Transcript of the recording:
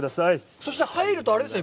そして、入ると、あれですね、